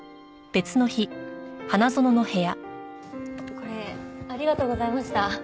これありがとうございました。